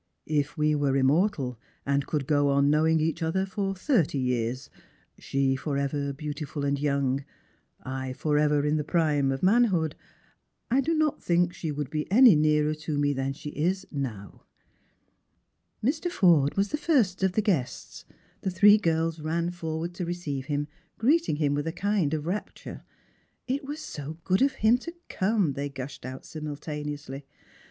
If we were immortal, and could go on knowing each other for thirty years — she for ever beautiful and young, I forever in the prime of manhood — I do not think she would be any nearer to me than she is now." Strangers and Pilgrims. 16 Mr. Forde was the first of the guests. The three girls ran forward to receive him, greeting him with a kind of rapture. It was so good of him to come, they gushed out simultaneously.